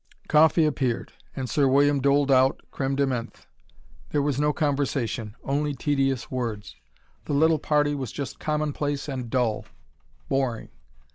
Coffee appeared and Sir William doled out creme de menthe. There was no conversation only tedious words. The little party was just commonplace and dull boring.